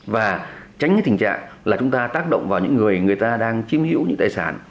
và tránh cái tình trạng là chúng ta tác động vào những người người ta đang chiếm hữu những tài sản